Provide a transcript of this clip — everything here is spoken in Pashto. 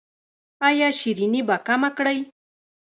ایا شیریني به کمه کړئ؟